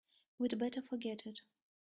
We'd better forget it.